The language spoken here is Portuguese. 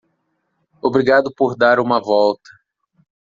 Obrigado por dar uma volta.